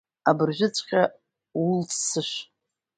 Абыржәыҵәҟьа улҵ сышә!